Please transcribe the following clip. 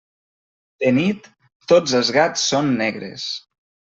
De nit, tots els gats són negres.